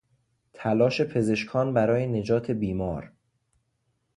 تلاش پزشکان برای نجات بیمار